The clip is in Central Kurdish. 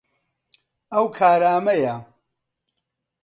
ئەو کارامەیە.